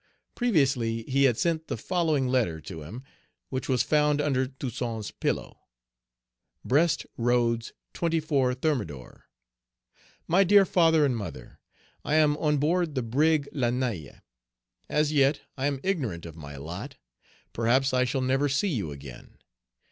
Previously, he had sent the following letter to him, which was found under Toussaint's pillow: "BREST ROADS, 24 Thermidor. "MY DEAR FATHER AND MOTHER, "I am on board the brig La Naïade. As yet, I am ignorant of my lot. Perhaps I shall never see you again.